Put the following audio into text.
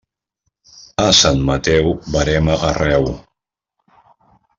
A Sant Mateu, verema arreu.